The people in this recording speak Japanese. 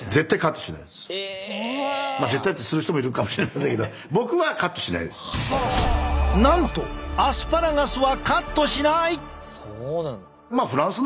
まあ絶対ってする人もいるかもしれませんけどなんとアスパラガスはカットしない！